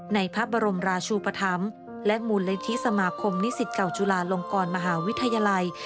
ในพระบรมราชูปธรรมและมูลนิธิสมาคมนิสิตเก่าจุฬาลงกรมหาวิทยาลัย